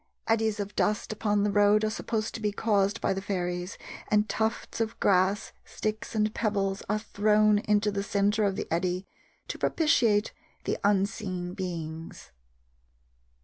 Eddies of dust upon the road are supposed to be caused by the fairies, and tufts of grass, sticks, and pebbles are thrown into the centre of the eddy to propitiate the unseen beings.